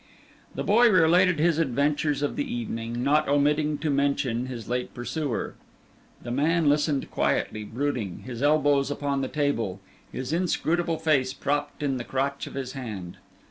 The boy related his adventures of the evening, not omitting to mention his late pursuer. The man listened quietly, brooding, his elbows upon the table, his inscrutable face propped in the crotch of his hand.